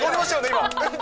今。